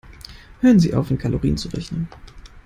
Hören Sie auf, in Kalorien zu rechnen.